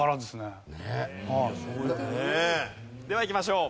ではいきましょう。